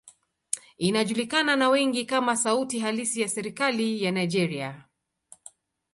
Inajulikana na wengi kama sauti halisi ya serikali ya Nigeria.